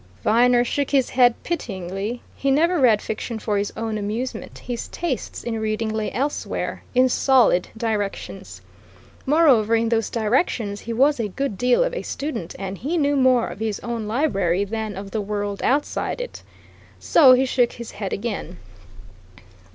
Viner shook his head, pityingly. He never read fiction for his own amusement; his tastes in reading lay elsewhere, in solid directions. Moreover, in those directions he was a good deal of a student, and he knew more of his own library than of the world outside it. So he shook his head again.